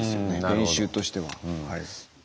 練習としては。